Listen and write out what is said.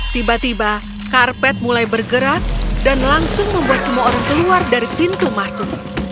tiba tiba karpet mulai bergerak dan langsung membuat semua orang keluar dari pintu masuk